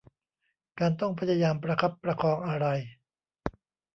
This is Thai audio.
การต้องพยายามประคับประคองอะไร